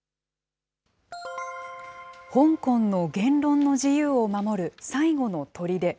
香港の言論の自由を守る最後のとりで。